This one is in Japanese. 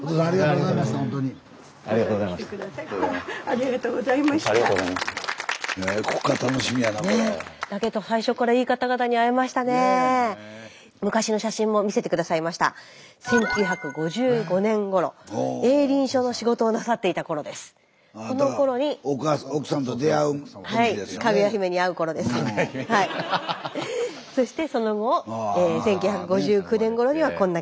そしてその後１９５９年ごろにはこんな感じ。